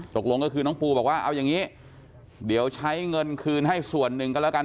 ตกลงก็คือน้องปูบอกว่าเอาอย่างนี้เดี๋ยวใช้เงินคืนให้ส่วนหนึ่งก็แล้วกัน